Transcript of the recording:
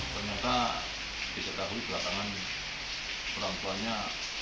ternyata tidak tahu ke latangan perampuannya